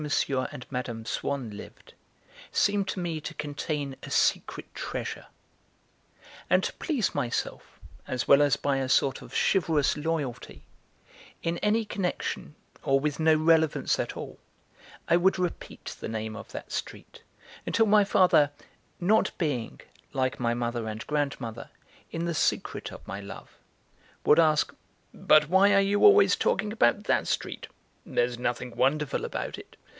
and Mme. Swann lived, seemed to me to contain a secret treasure. And to please myself, as well as by a sort of chivalrous loyalty, in any connection or with no relevance at all, I would repeat the name of that street until my father, not being, like my mother and grandmother, in the secret of my love, would ask: "But why are you always talking about that street? There's nothing wonderful about it.